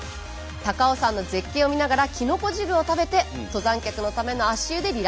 高尾山の絶景を見ながらきのこ汁を食べて登山客のための足湯でリラックス。